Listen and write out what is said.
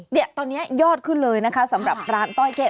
เนี่ยตอนนี้ยอดขึ้นเลยนะคะสำหรับร้านต้อยเกะ